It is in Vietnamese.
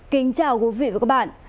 kính chào quý vị và các bạn